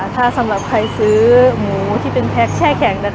ถ้าสำหรับใครซื้อหมูที่เป็นแพ็คแช่แข็ง